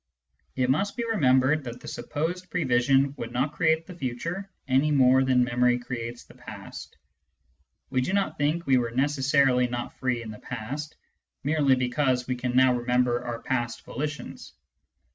It must be remembered that the supposed prevision would not create the future any more than Digitized by Google 236 SCIENTIFIC METHOD IN PHILOSOPHY memory creates the past. We do not think we were necessarily not free in the past, merely because we can now remember our past volitions.